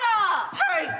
はい。